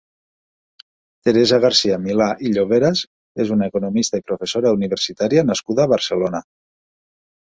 Teresa Garcia-Milà i Lloveras és una economista i professsora universitària nascuda a Barcelona.